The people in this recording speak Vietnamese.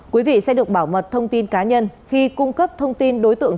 quý vị sẽ được bảo mật thông tin cá nhân khi cung cấp thông tin đối tượng